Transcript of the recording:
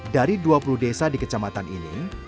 dari dua puluh desa di kecamatan ini